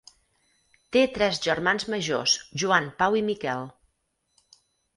Té tres germans majors Joan, Pau i Miquel.